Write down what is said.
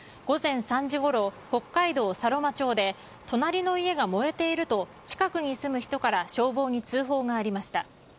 午前３時ごろ、北海道佐呂間町で隣の家が燃えていると近くに住む人から消防に通報がありました。